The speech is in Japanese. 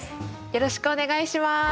よろしくお願いします。